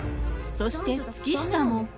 そして月下も。